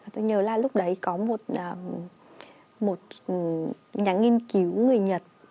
tôi nhớ là lúc đấy có một nhà nghiên cứu người nhật